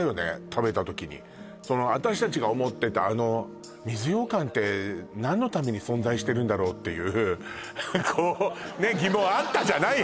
食べた時に私達が思ってたあの水ようかんって何のために存在してるんだろうっていうこうねっ疑問あったじゃない